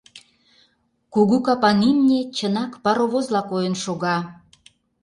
Кугу капан имне, чынак, паровозла койын шога.